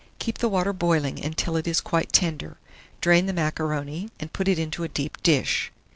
Keep the water boiling until it is quite tender; drain the macaroni, and put it into a deep dish.